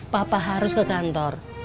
papa harus ke kantor